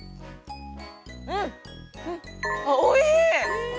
うん、おいしい！